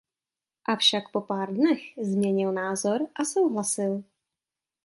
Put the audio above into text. Avšak po pár dnech změnil názor a souhlasil.